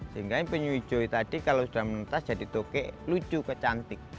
sehingga penyuh hijau tadi kalau sudah mentas jadi tokek lucu kecantik